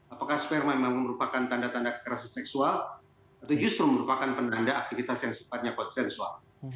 apakah sperma memang merupakan tanda tanda kekerasan seksual atau justru merupakan penanda aktivitas yang sifatnya konsensual